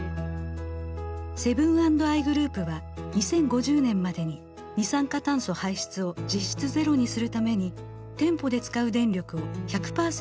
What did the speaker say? セブン＆アイグループは２０５０年までに二酸化炭素排出を実質ゼロにするために店舗で使う電力を１００％